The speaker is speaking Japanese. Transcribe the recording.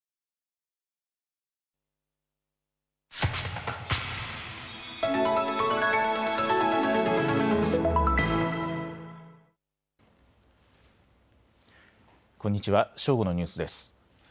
正午のニュースです。